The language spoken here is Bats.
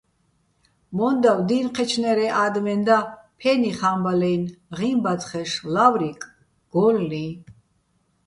მო́ნდავ დი́ნ ჴეჩნა́ჲრეჼ ა́დმეჼ და, ფე́ნიხ ჰა́მბალაჲნი̆, ღიმბათხეშ, ლავრიკ, გო́ლლიჼ.